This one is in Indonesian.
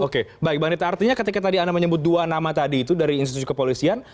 oke baik bang neta artinya ketika tadi anda menyebut dua nama tadi itu dari institusi kepolisian